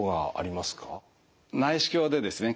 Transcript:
内視鏡でですね